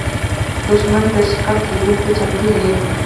دښمن د شکست لیدلو ته چمتو وي